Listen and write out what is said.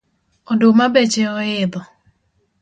Oduma beche oidho